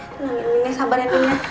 tenang ya sabar ya dunia